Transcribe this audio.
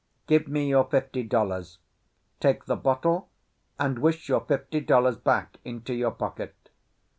"Give me your fifty dollars, take the bottle, and wish your fifty dollars back into your pocket.